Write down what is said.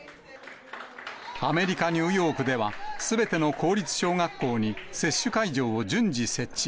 アメリカ・ニューヨークでは、すべての公立小学校に、接種会場を順次設置。